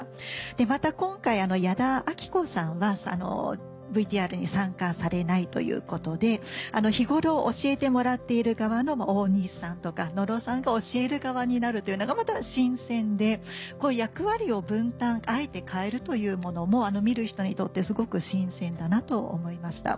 また今回矢田亜希子さんはＶＴＲに参加されないということで日頃教えてもらっている側の大西さんとか野呂さんが教える側になるというのがまた新鮮で役割を分担あえて変えるというものも見る人にとってすごく新鮮だなと思いました。